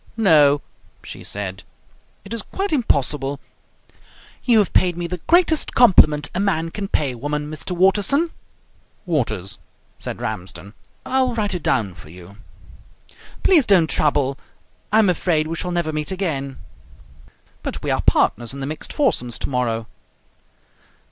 "No," she said, "it is quite impossible. You have paid me the greatest compliment a man can pay a woman, Mr. Waterson " "Waters," said Ramsden. "I'll write it down for you." "Please don't trouble. I am afraid we shall never meet again " "But we are partners in the mixed foursomes tomorrow."